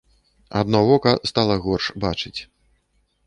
Адно вока стала горш бачыць.